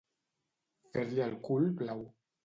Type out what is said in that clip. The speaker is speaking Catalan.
Fer-li el cul blau.